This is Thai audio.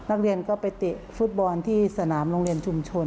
นักเรียนก็ไปเตะฟุตบอลที่สนามโรงเรียนชุมชน